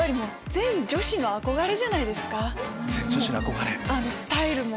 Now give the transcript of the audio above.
全女子の憧れ！